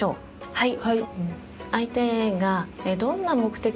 はい。